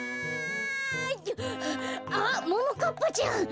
あっももかっぱちゃん！